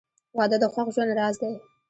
• واده د خوښ ژوند راز دی.